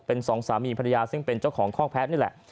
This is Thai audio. เป็นสองสามีภรรยาซึ่งเป็นเจ้าของคอกแพ้นี่แหละ